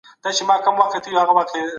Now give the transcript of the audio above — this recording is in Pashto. مشرانو به ځانګړي استازي لیږلي وي.